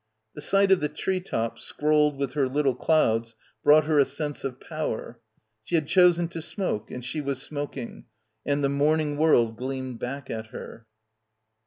The sight of the tree tops scrolled with her little clouds brought her a sense of power. She had chosen to smoke and she was smoking, and the morning world gleamed back at her.